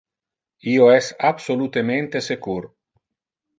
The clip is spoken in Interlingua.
Io es absolutemente secur!